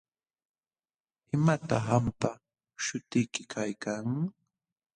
¿Imataq qampa śhutiyki kaykan?